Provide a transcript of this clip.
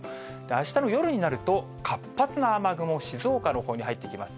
あしたの夜になると、活発な雨雲、静岡のほうに入ってきます。